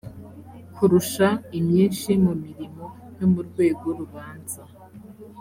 kurusha imyinshi mu mirimo yo mu rwego rubanza